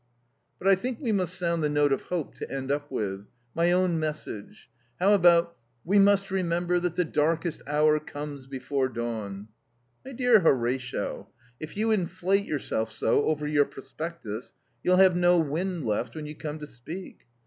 "But I think we must sound the note of hope to end up with. My own message. How about 'We must remember that the darkest hour comes before dawn'?" "My dear Horatio, if you inflate yourself so over your prospectus, you'll have no wind left when you come to speak.